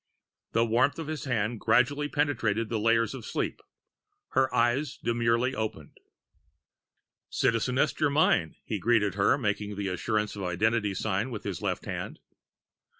The warmth of his hand gradually penetrated the layers of sleep. Her eyes demurely opened. "Citizeness Germyn," he greeted her, making the assurance of identity sign with his left hand.